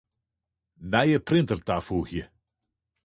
Nije printer tafoegje.